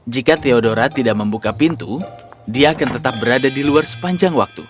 jika theodora tidak membuka pintu dia akan tetap berada di luar sepanjang waktu